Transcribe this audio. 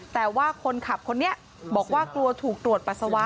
แต่ว่าคนขับคนนี้บอกว่ากลัวถูกตรวจปัสสาวะ